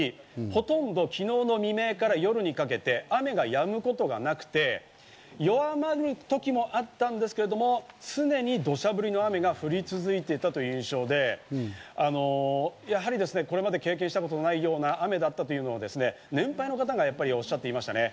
ほとんど昨日の未明から夜にかけて雨がやむことがなくて、弱まるときもあったんですけれども常に土砂降りの雨が降り続いていたという印象で、やはりこれまで経験したことのないような雨だったと年配の方がおっしゃっていましたね。